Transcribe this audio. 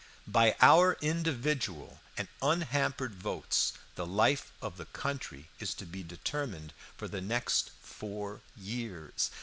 By our individual and unhampered votes the life of the country is to be determined for the next four years.